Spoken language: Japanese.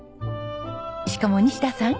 しかも西田さん。